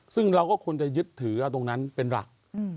ซึ่งเราก็ควรจะยึดถือเอาตรงนั้นเป็นหลัก